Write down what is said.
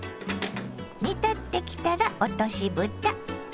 煮立ってきたら落としぶた。